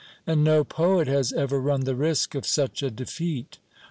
And no poet has ever run the risk of such a defeat.